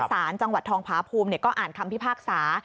สารจังหวัดทองพาภูมิก็อ่านคำพิพากษา